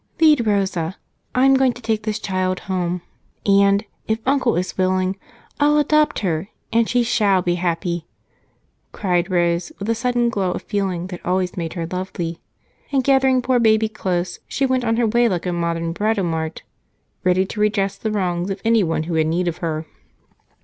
"Lead Rosa I'm going to take this child home, and if Uncle is willing, I'll adopt her, and she shall be happy!" cried Rose, with the sudden glow of feeling that always made her lovely. And gathering poor baby close, she went on her way like a modern Britomart, ready to redress the wrongs of any who had need of her.